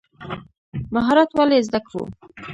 مهارت ولې زده کړو؟